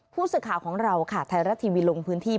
ผู้สื่อข่าวของเราค่ะไทยรัฐทีวีลงพื้นที่